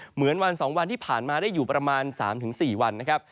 เหมือนวัน๒วันที่ผ่านมาได้อยู่ประมาณ๓๔วันนะครับ